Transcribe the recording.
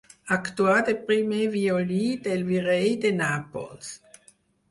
Actuà de primer violí del virrei de Nàpols.